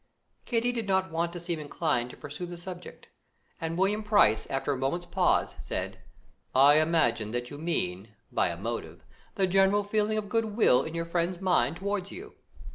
Kitty did not want to seem inclined to pursue the subject, and William Price, after a moment's pause, said: "I imagine that you mean, by a motive, the general feeling of goodwill in your friend's mind towards you.